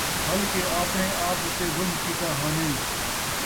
بلکہ آپڑیں آپ اُتے ظلم کِیتا ہانیں ۔